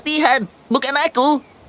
latihan bukan aku